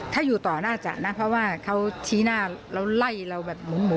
ถ้าอยู่ต่อน่าจะนะเพราะว่าเขาชี้หน้าแล้วไล่เราเหมือนหมู